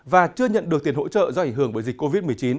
và chưa nhận được tiền hỗ trợ do ảnh hưởng bởi dịch covid một mươi chín